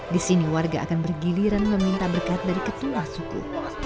di sini warga akan bergiliran meminta berkat dari ketua suku